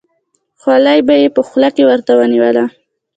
خولۍ به یې په خوله کې ورته ونیوله.